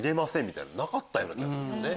みたいなのなかったような気がするんだよね